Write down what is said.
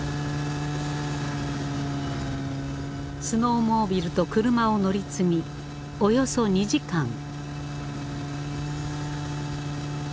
スノーモービルと車を乗り継ぎおよそ２時間。